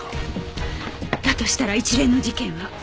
だとしたら一連の事件は。